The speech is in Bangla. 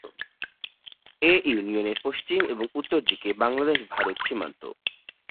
এ ইউনিয়নের পশ্চিম এবং উত্তর দিকে বাংলাদেশ-ভারত সীমান্ত।